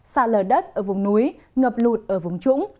xa lở đất ở vùng núi ngập lụt ở vùng trũng